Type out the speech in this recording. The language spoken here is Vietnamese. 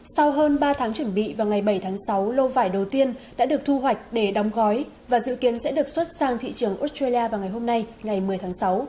sau hơn ba tháng chuẩn bị vào ngày bảy tháng sáu lô vải đầu tiên đã được thu hoạch để đóng gói và dự kiến sẽ được xuất sang thị trường australia vào ngày hôm nay ngày một mươi tháng sáu